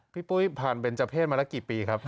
พี่ปุ๊ยผ่านเบนเจ้าเพศมาและกี่ปีครับ